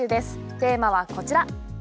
テーマはこちら。